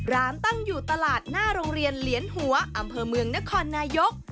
ร้านตั้งอยู่ตลาดหน้าโรงเรียนเหลียนหัวอำเภอเมืองนครนายก